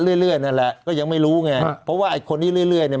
เรื่อยเรื่อยนั่นแหละก็ยังไม่รู้ไงเพราะว่าอีกคนนี้เรื่อยเรื่อยเนี้ย